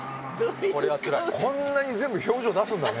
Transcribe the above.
こんなに全部表情出すんだね